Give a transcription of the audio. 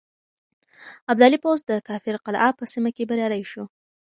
ابدالي پوځ د کافر قلعه په سيمه کې بريالی شو.